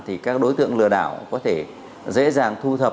thì các đối tượng lừa đảo có thể dễ dàng thu thập